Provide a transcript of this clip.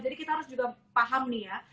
jadi kita harus juga paham nih ya